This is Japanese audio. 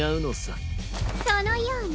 そのようね。